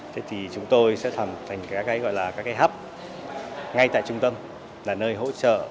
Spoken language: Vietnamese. thế thì chúng tôi sẽ hoàn thành các cái hấp ngay tại trung tâm là nơi hỗ trợ